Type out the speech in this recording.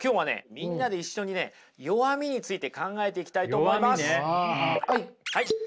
みんなで一緒にね弱みについて考えていきたいと思います。